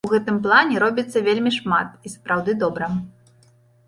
У гэтым плане робіцца вельмі шмат і сапраўды добра.